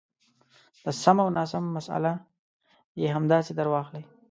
د سم او ناسم مساله یې همداسې درواخلئ.